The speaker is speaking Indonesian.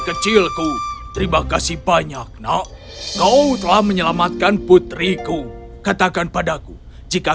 kecilku terima kasih banyak nak kau telah menyelamatkan putriku katakan padaku jika